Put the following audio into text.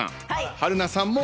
春菜さんも。